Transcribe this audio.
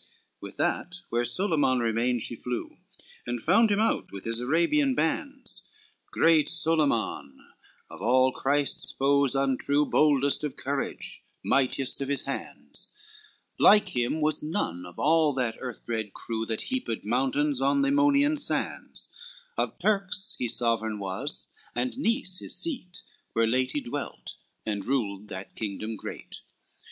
III With that where Solyman remained she flew, And found him out with his Arabian bands, Great Solyman, of all Christ's foes untrue, Boldest of courage, mightiest of his hands, Like him was none of all that earth bred crew That heaped mountains on the Aemonian sands, Of Turks he sovereign was, and Nice his seat, Where late he dwelt, and ruled that kingdom great.